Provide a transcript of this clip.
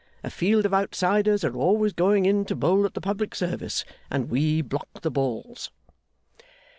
A field of outsiders are always going in to bowl at the Public Service, and we block the balls.